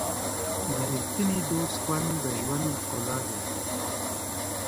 د ریښتیني دوست خوند د ژوند ښکلا ده.